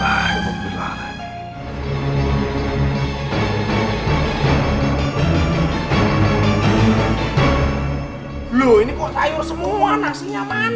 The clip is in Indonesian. loh ini kok sayur semua nasinya mana